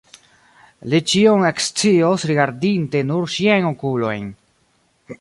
Li ĉion ekscios, rigardinte nur ŝiajn okulojn.